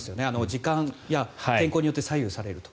時間や天候によって左右されると。